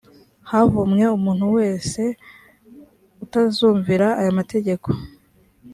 havumwe umuntu wese utazumvira aya mategeko